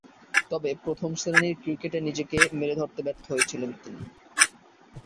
তবে, প্রথম-শ্রেণীর ক্রিকেটে নিজেকে মেলে ধরতে ব্যর্থ হয়েছিলেন তিনি।